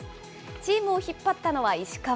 チームを引っ張ったのは石川。